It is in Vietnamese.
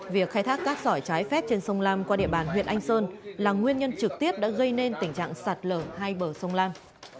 việc khai thác cát sỏi trái phép trên sông lam qua địa bàn huyện anh sơn là nguyên nhân trực tiếp đã gây nên tình trạng sạt lở hai bờ sông lam